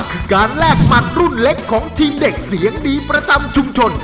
คือการแลกหมัดรุ่นเล็กของทีมเด็กเสียงดีประจำชุมชน